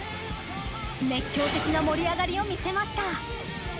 熱狂的な盛り上がりを見せました。